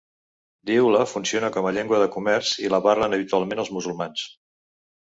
Dyula funciona com a llengua de comerç i la parlen habitualment els musulmans.